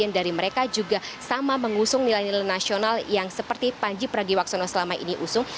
dari mereka juga sama mengusung nilai nilai nasional yang seperti panji pragiwaksono selama ini usung